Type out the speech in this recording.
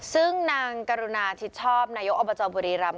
ซึ่งนางกรุณาทิศชอบนายองค์อบจบริรัม์